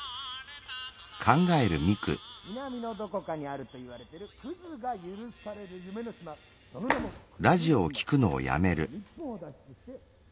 「南のどこかにあるといわれてるクズが許される夢の島その名もクズ島」。